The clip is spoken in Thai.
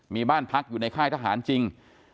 มีบ้านพักอยู่ในค่ายทหารจริง